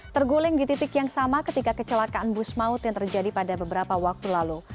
terguling di titik yang sama ketika kecelakaan bus maut yang terjadi pada beberapa waktu lalu